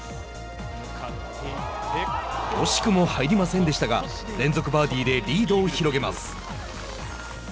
惜しくも入りませんでしたが連続バーディーでリードを広げます。